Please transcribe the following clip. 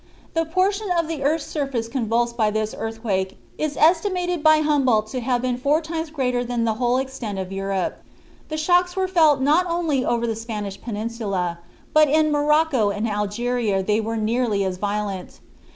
The portion of the earth's surface convulsed by this earthquake is estimated by Humboldt to have been four times greater than the whole extent of Europe. The shocks were felt not only over the Spanish peninsula, but in Morocco and Algeria they were nearly as violent.